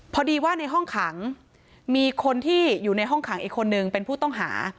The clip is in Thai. พอดีว่าในห้องขังมีคนที่อยู่ในห้องขังอีกคนนึงเป็นผู้ต้องหา